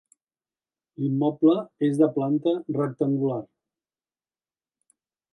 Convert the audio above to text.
L'immoble és de planta rectangular.